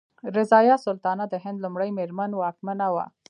رضیا سلطانه د هند لومړۍ میرمن واکمنه وه.